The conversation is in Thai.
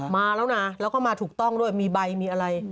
มาแล้วนะแล้วก็มาถูกต้องด้วยมีใบมีอะไร